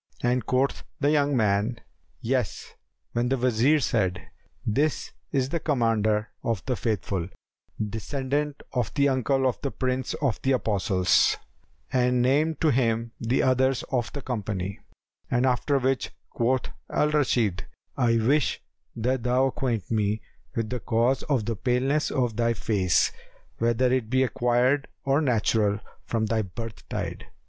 and quoth the young man "Yes;" when the Wazir said, "This is the Commander of the Faithful, descendant of the uncle of the Prince of the Apostles," and named to him the others of the company; after which quoth Al Rashid, "I wish that thou acquaint me with the cause of the paleness of thy face, whether it be acquired or natural from thy birth tide."